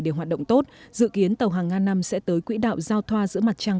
để hoạt động tốt dự kiến tàu hàng nga năm sẽ tới quỹ đạo giao thoa giữa mặt trăng